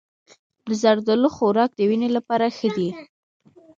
د زردالو خوراک د وینې لپاره ښه دی.